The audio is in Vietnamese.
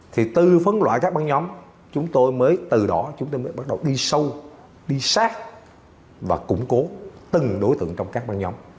thì từ phân loại các băng nhóm chúng tôi mới từ đó chúng tôi mới bắt đầu đi sâu đi sát và củng cố từng đối tượng trong các băng nhóm